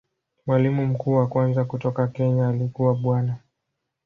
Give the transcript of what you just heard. Mwalimu mkuu wa kwanza kutoka Kenya alikuwa Bwana.